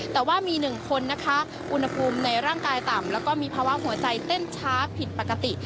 แต่ว่ามี๑คนนะคะอุณหภูมิในร่างกายต่ำแล้วก็มีภาวะหัวใจเต้นช้าผิดปกติ